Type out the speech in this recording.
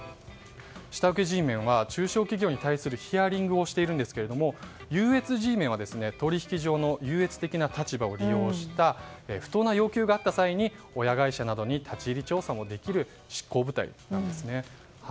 下請けＧメンは中小企業に対するヒアリングをしているんですが優越Ｇメンは取引上の優越的な立場を利用した不当な要求があった際に親会社などに立ち入り調査もできる執行部隊なんですね。